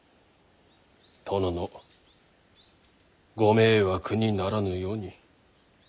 殿のご迷惑にならぬように。